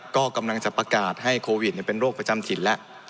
ก็กำลังจะประกาศให้โควิดเป็นโรคประจำถิ่นแล้ว